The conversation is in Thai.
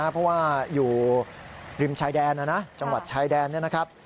เพราะว่าอยู่ริมชายแดนนะนะจังหวัดชายแดนเนี่ยนะครับ